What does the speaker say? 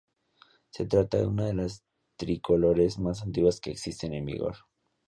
Se trata de una de las tricolores más antiguas que existen en vigor.